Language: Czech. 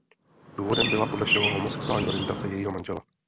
Důvodem byla podle všeho homosexuální orientace jejího manžela.